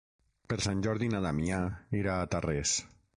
Per Sant Jordi na Damià irà a Tarrés.